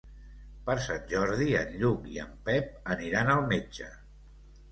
Per Sant Jordi en Lluc i en Pep aniran al metge.